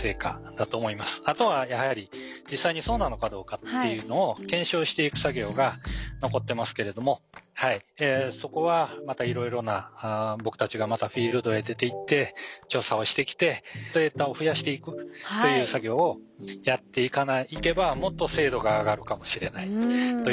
あとはやはり実際にそうなのかどうかっていうのを検証していく作業が残ってますけれどもそこはまたいろいろな僕たちがまたフィールドへ出ていって調査をしてきてデータを増やしていくという作業をやっていけばもっと精度が上がるかもしれないというふうには思います。